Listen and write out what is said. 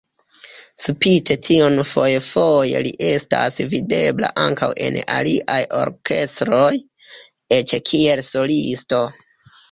Spite tion foje-foje li estas videbla ankaŭ en aliaj orkestroj, eĉ kiel solisto.